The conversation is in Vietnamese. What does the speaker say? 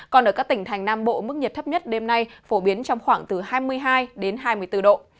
còn ở các tỉnh thành nam bộ mức nhiệt thấp nhất đêm nay phổ biến trong khoảng từ hai mươi hai đến hai mươi bốn độ